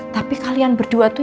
tapi kalian berdua tuh